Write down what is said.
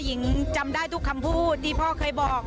หญิงจำได้ทุกคำพูดที่พ่อเคยบอก